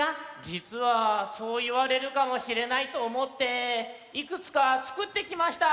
じつはそういわれるかもしれないとおもっていくつかつくってきました。